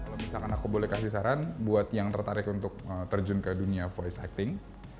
kalau misalkan aku boleh kasih saran buat yang tertarik untuk terjun ke dunia voice acting